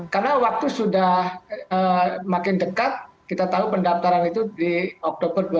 karena waktu sudah makin dekat kita tahu pendaftaran itu di oktober dua ribu dua puluh tiga